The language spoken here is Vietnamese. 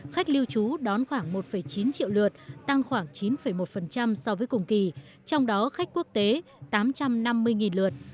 khách lưu trú đón khoảng một chín triệu lượt tăng khoảng chín một so với cùng kỳ trong đó khách quốc tế tám trăm năm mươi lượt